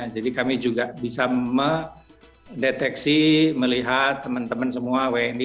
jadi kami juga bisa mendeteksi melihat teman teman semua wni